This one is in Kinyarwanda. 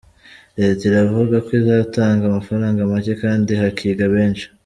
Leta iravuga ko izatanga amafaranga make kandi hakiga benshi….